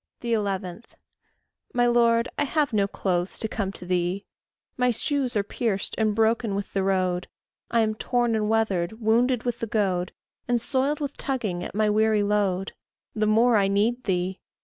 11. My Lord, I have no clothes to come to thee; My shoes are pierced and broken with the road; I am torn and weathered, wounded with the goad, And soiled with tugging at my weary load: The more I need thee!